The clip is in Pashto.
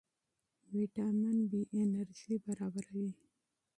ویټامین بي انرژي برابروي.